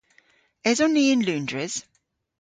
Eson ni yn Loundres?